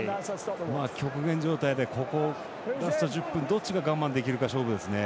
極限状態で、ラスト１０分どっちが我慢できるか勝負ですね。